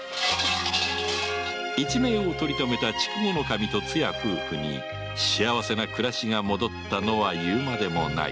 一命を取りとめた筑後守とつや夫婦に幸せな暮らしが戻ったのは言うまでもない